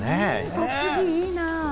栃木いいな。